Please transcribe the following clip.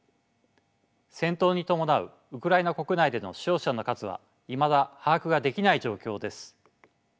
戦闘に伴うウクライナ国内での死傷者の数はいまだ把握ができない状況です。